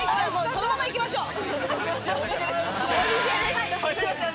そのままいきましょう。